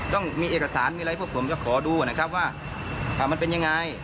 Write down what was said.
ต้องมีเอกสารมีอะไรพวกผมจะขอดูนะครับว่ามันเป็นยังไง